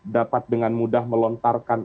dapat dengan mudah melontarkan